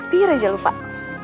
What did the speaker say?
pihir aja lu pak